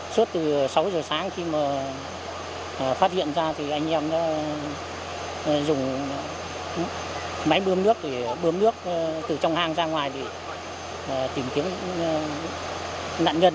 suốt từ sáu giờ sáng khi mà phát hiện ra thì anh em đã dùng máy bơm nước để bơm nước từ trong hang ra ngoài để tìm kiếm nạn nhân